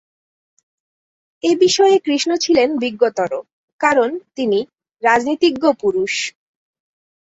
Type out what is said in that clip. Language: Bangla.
এ-বিষয়ে কৃষ্ণ ছিলেন বিজ্ঞতর, কারণ, তিনি রাজনীতিজ্ঞ পুরুষ।